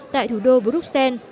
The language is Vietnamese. tại thủ đô bruxelles